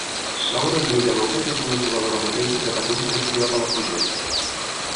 Laura Viella López és una jugadora d'hoquei sobre patins nascuda a Palafrugell.